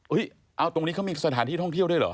เอาตรงนี้เขามีสถานที่ท่องเที่ยวด้วยเหรอ